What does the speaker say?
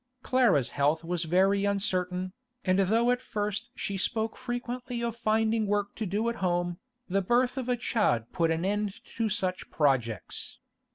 Clara's health was very uncertain, and though at first she spoke frequently of finding work to do at home, the birth of a child put an end to such projects.